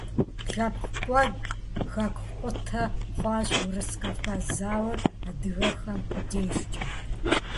ЛъэпкъкӀуэд, хэкукъутэ хъуащ Урыс-Кавказ зауэр адыгэхэм дежкӀэ.